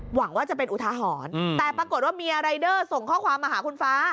หวังว่าจะเป็นอุทาหรณ์แต่ปรากฏว่ามีรายเดอร์ส่งข้อความมาหาคุณฟ้า